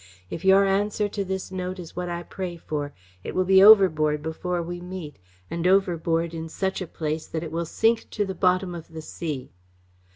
If your answer to this note is what I pray for, it will be overboard before we meet, and overboard in such a place that it will sink to the bottom of the sea.